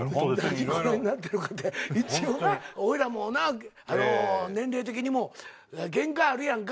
何ご覧になってるかって一応なおいらもな年齢的にも限界あるやんか。